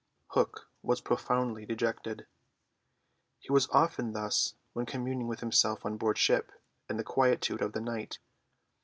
Hook was profoundly dejected. He was often thus when communing with himself on board ship in the quietude of the night.